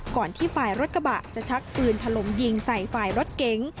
ที่ฝ่ายรถกระบะจะชักปืนถล่มยิงใส่ฝ่ายรถเก๋ง